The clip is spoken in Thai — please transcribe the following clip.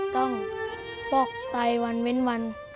ฟอกไตวันเว้นวัน